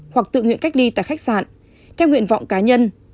hoặc tự nguyện cách ly tại khách sạn theo nguyện vọng cá nhân